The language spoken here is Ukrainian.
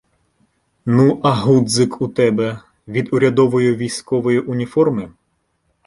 Ну, а гудзику тебе — від урядової військової уніформи?